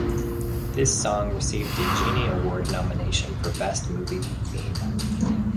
This song received a Genie Award nomination for Best Movie Theme.